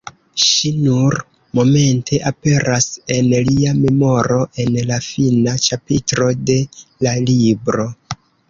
Ŝi nur momente aperas en lia memoro, en la fina ĉapitro de la libro.